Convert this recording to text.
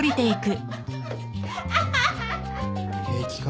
平気か？